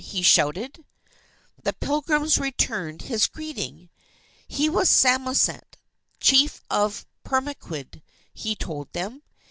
he shouted. The Pilgrims returned his greeting. He was Samoset, Chief of Pemaquid, he told them.